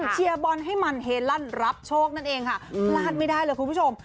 เชียร์บอลให้มันเฮลั่นรับโชคนั่นเองค่ะพลาดไม่ได้เลยคุณผู้ชม